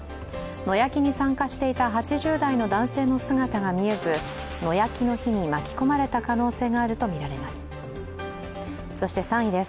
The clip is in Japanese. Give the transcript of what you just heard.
野焼きに参加していた８０代の男性の姿が見えず、野焼きの火に巻き込まれた可能性があるとみられます。